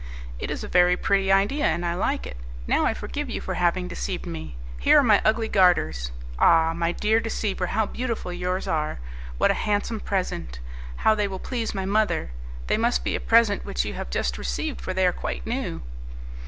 "It is a very pretty idea, and I like it. Now I forgive you for having deceived me. Here are my ugly garters! Ah! my dear deceiver, how beautiful yours are! What a handsome present! How they will please my mother! They must be a present which you have just received, for they are quite new."